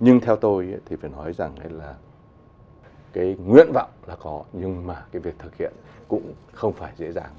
nhưng theo tôi thì phải nói rằng là cái nguyện vọng là có nhưng mà cái việc thực hiện cũng không phải dễ dàng